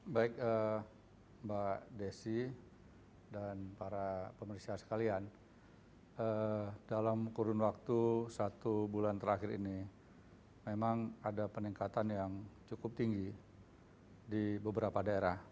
baik mbak desi dan para pemerintah sekalian dalam kurun waktu satu bulan terakhir ini memang ada peningkatan yang cukup tinggi di beberapa daerah